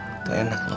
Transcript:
itu enak loh